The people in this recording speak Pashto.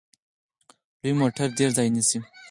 لوی موټر ډیر ځای نیسي.